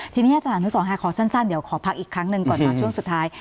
ทีนี้อาจารย์อนุสรค่ะขอสั้นเดี๋ยวขอพักอีกครั้งหนึ่งก่อนมาช่วงสุดท้าย